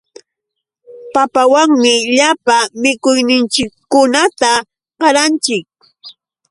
Papawanmi llapa mikuyninchikkunata qalanchik.